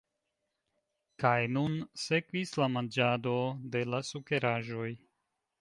Kaj nun sekvis la manĝado de la sukeraĵoj.